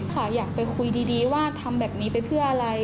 ค่ะอยากไปคุยดีว่าทำแบบนี้ไปเพื่ออะไร